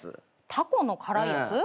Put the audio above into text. タコの辛いやつ？